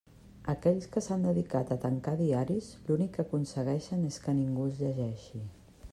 Aquells que s'han dedicat a tancar diaris l'únic que aconsegueixen és que ningú els llegeixi.